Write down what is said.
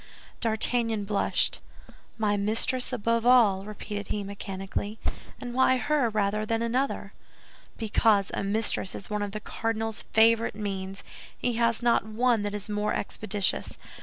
D'Artagnan blushed. "My mistress above all," repeated he, mechanically; "and why her rather than another?" "Because a mistress is one of the cardinal's favorite means; he has not one that is more expeditious.